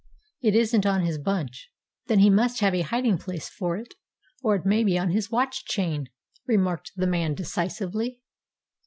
"It isn't on his bunch." "Then he must have a hiding place for it, or it may be on his watch chain," remarked the man decisively.